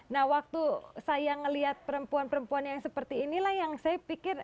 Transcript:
nah waktu saya melihat perempuan perempuan yang seperti inilah yang saya pikir